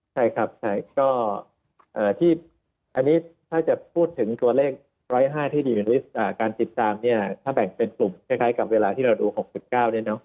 ใช่ครับใช่ก็ที่อันนี้ถ้าจะพูดถึงตัวเลข๑๐๕ที่ดีหรือการติดตามเนี่ยถ้าแบ่งเป็นกลุ่มคล้ายกับเวลาที่เราดู๖๙เนี่ยเนอะ